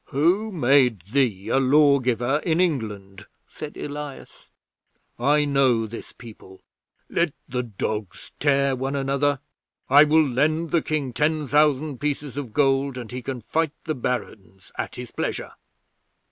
'"Who made thee a Lawgiver in England?" said Elias. "I know this people. Let the dogs tear one another! I will lend the King ten thousand pieces of gold, and he can fight the Barons at his pleasure."